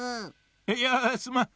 いやすまん。